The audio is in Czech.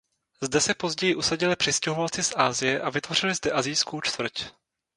Zde se později usadili přistěhovalci z Asie a vytvořili zde Asijskou čtvrť.